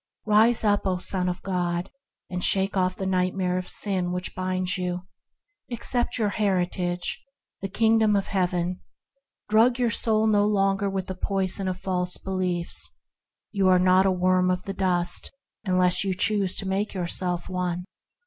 Rise up, O Son of God! and shake off the night mare of sin that binds you; accept your HEAVEN IN THE HEART 161 heritage: the Kingdom of Heaven! Drug your soul no longer with the poisons of false beliefs. You are not a worm of the dust unless you choose to make yourself one.